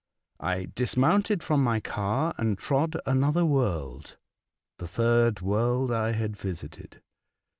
I dismounted from my car and trod another world, the third world I had visited.